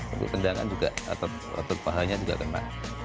untuk tendangan juga atau pahanya juga kena